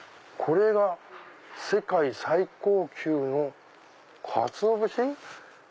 「これが世界最高級の鰹節」。